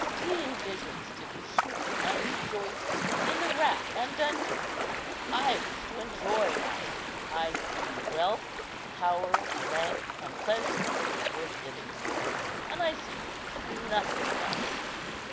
seeing visions, to be sure, and rejoicing in the rack and dungeon! I wish to enjoy life; I see wealth, power, rank, and pleasure to be worth living for, and I see nothing else."